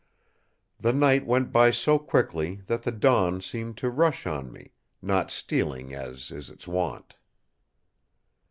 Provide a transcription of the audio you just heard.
The night went by so quickly that the dawn seemed to rush on me, not stealing as is its wont.